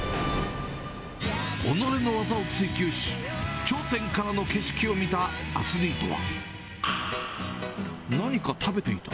己の技を追求し、頂点からの景色を見たアスリートは。